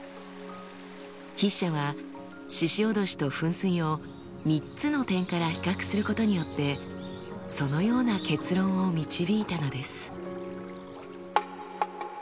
筆者は鹿おどしと噴水を３つの点から比較することによってそのような結論を導いたのです。